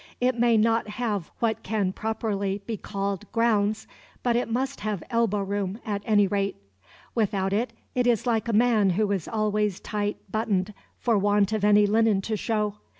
It may not have what can properly be called grounds, but it must have elbow room, at any rate. Without it, it is like a man who is always tight buttoned for want of any linen to show.